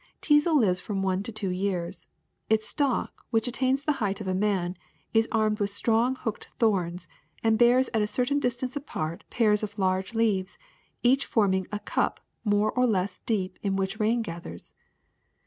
Teazel lives from one to two years. Its stalk, which attains the height of a man, is armed with strong hooked thorns and bears, at a certain distance apart, pairs of large leaves, each pair forming a cup more or less deep in which rain gathers.